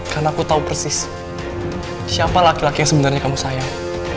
karena aku tahu persis siapa laki laki yang sebenarnya kamu sayang